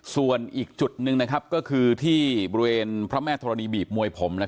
ส่วนอีกจุดหนึ่งก็คือที่บริเวณพระแม่ธรณีบีบมวยผม